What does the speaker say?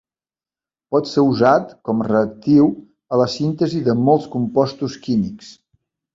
Pot ser usat com reactiu en la síntesi de molts compostos químics.